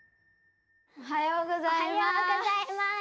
おはようございます。